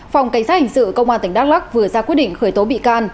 phòng cảnh sát hình sự công an tỉnh đắk lắc vừa ra quyết định khởi tố bị can